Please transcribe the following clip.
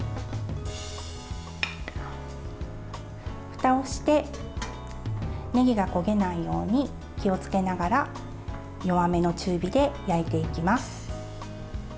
ふたをしてねぎが焦げないように気をつけながら弱めの中火で焼いていきます。